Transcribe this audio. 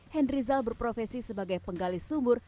hendri zal berprofesi sebagai penggalis sumur